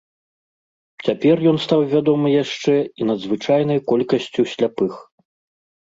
Цяпер ён стаў вядомы яшчэ і надзвычайнай колькасцю сляпых.